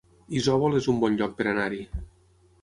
Isòvol es un bon lloc per anar-hi